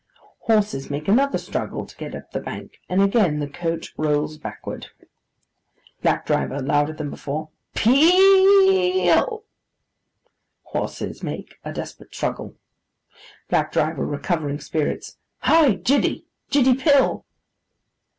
Horses make another struggle to get up the bank, and again the coach rolls backward. BLACK DRIVER (louder than before). 'Pe e e ill!' Horses make a desperate struggle. BLACK DRIVER (recovering spirits). 'Hi, Jiddy, Jiddy, Pill!